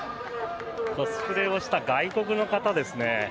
コスプレをした外国の方ですね。